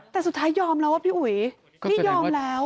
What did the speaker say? แต่สุดท้ายยอมแล้วว่าพี่อุ๋ยนี่ยอมแล้ว